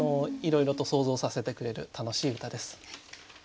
いろいろと想像させてくれる楽しい歌です。